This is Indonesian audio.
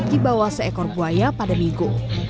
dibawah seekor buaya pada minggu